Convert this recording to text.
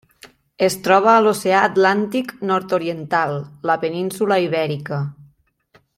Es troba a l'Oceà Atlàntic nord-oriental: la península Ibèrica.